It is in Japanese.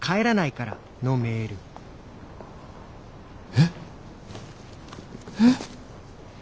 えっ？えっ？